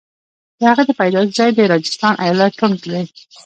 د هغه د پیدایښت ځای د راجستان ایالت ټونک دی.